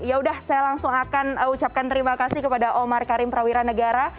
ya udah saya langsung akan ucapkan terima kasih kepada omar karim prawira negara